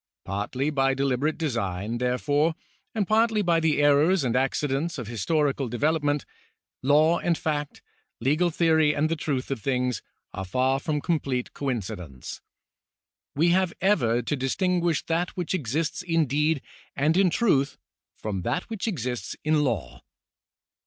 Partly by deliberate design, therefore, and partly by the errors and accidents of historical development, law and fact, legal theory and the truth of things, are far from com plete coincidence. We have ever to distinguish that which exists in deed and in truth, from that which exists in law.